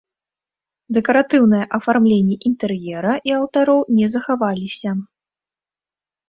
Дэкаратыўнае афармленне інтэр'ера і алтароў не захаваліся.